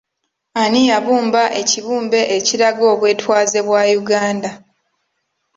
Ani yabumba ekibumbe ekiraga obwetwaze bwa Uganda?